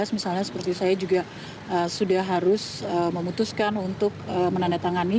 misalnya seperti saya juga sudah harus memutuskan untuk menandatangani